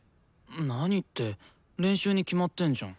何って練習に決まってんじゃん。